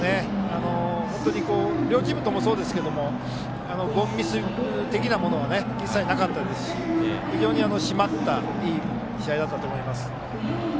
本当に両チームともそうですけれども凡ミス的なものは一切なかったですし非常に締まったいい試合だったと思います。